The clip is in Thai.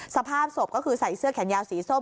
สภาพศพก็คือใส่เสื้อแขนยาวสีส้ม